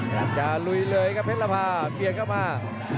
อยากจะลุยเลยครับเพชรภาเบียดเข้ามา